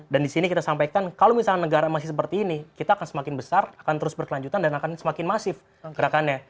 dan disini kita sampaikan kalau misalnya negara masih seperti ini kita akan semakin besar akan terus berkelanjutan dan akan semakin masif gerakannya